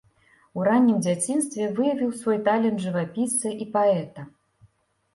У раннім дзяцінстве выявіў свой талент жывапісца і паэта.